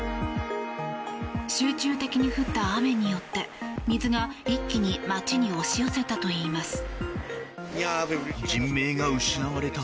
集中的に降った雨によって水が一気に街に押し寄せたといいます。